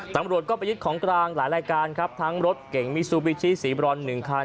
ตำรวจก็ไปยึดของกลางหลายรายการครับทั้งรถเก่งมิซูบิชิสีบรอนหนึ่งคัน